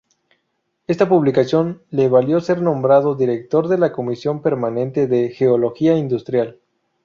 Esta publicación le valió ser nombrado director de la Comisión permanente de Geología industrial.